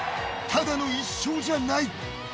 ただの１勝じゃない。